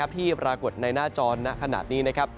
ที่ปรากฏในหน้าจอณะขนาดนี้นะครับ